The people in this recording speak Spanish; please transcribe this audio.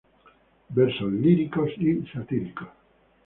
Versos líricos y satíricos.